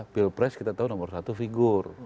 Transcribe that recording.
pilpres kita tahu nomor satu figur